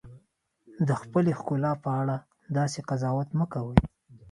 د خپلې ښکلا په اړه داسې قضاوت مه کوئ.